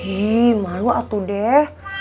ih malu atuh deh